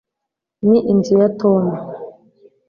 ni inzu ya tom